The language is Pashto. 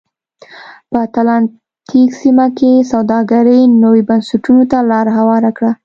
په اتلانتیک سیمه کې سوداګرۍ نویو بنسټونو ته لار هواره کړه.